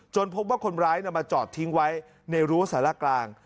พบว่าคนร้ายนำมาจอดทิ้งไว้ในรั้วสารกลาง